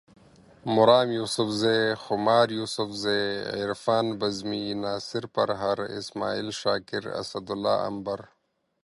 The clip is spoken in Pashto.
مرام یوسفزے، خمار یوسفزے، عرفان بزمي، ناصر پرهر، اسماعیل شاکر، اسدالله امبر